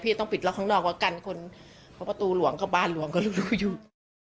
พี่ต้องปิดล็อกข้างนอกกว่ากันคนพอประตูหลวงก็บ้านหลวงก็รู้อยู่